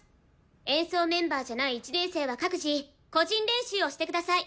演奏メンバーじゃない１年生は各自個人練習をしてください。